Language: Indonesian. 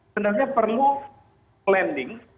sebenarnya perlu landing